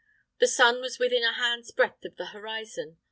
The sun was within a hand's breadth of the horizon.